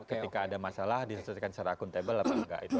ketika ada masalah disesuaikan secara akuntabel apa enggak